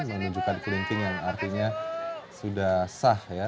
menunjukkan keringking yang artinya sudah sah ya